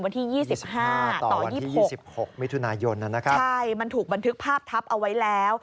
วันที่๒๕ต่อ๒๖มิถุนายนนะครับใช่มันถูกบันทึกภาพทับเอาไว้แล้ว